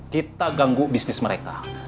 kita ganggu bisnis mereka